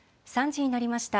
３時になりました。